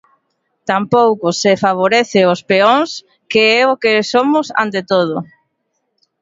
Tampouco se favorece os peóns, que é o que somos ante todo.